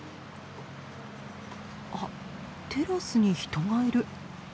あっテラスに人がいる。